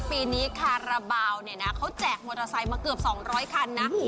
ปีนี้คาราบาลเนี่ยนะเขาแจกมอเตอร์ไซค์มาเกือบ๒๐๐คันนะ